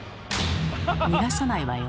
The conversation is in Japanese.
逃がさないわよ。